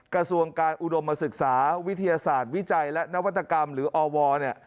กระทรวงการอุดมศึกษาวิทยาศาสตร์วิจัยและนวัตกรรมหรืออวเนี่ย